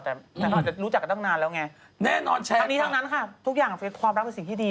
แต่เขาอาจจะรู้จักกันตั้งนานแล้วไงแน่นอนแชร์ทั้งนี้ทั้งนั้นค่ะทุกอย่างความรักเป็นสิ่งที่ดี